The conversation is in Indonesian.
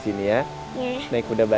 senang naik kudanya